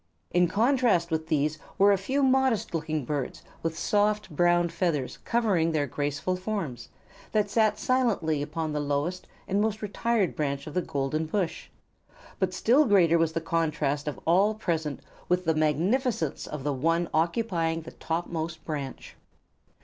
In strong contrast with these were a few modest looking birds with soft brown feathers covering their graceful forms, that sat silently upon the lowest and most retired branch of the golden bush; but still greater was the contrast of all present with the magnificence of the one occupying the topmost branch.